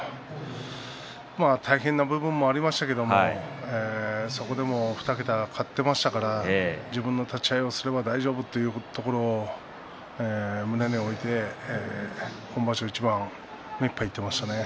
大変な部分もありましたがそこで２桁勝っていましたから自分の立ち合いをすれば大丈夫というところを胸において本場所一番目いっぱいにいっていましたね。